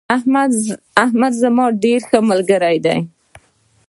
احمد زما ډیر ښه ملگرى دي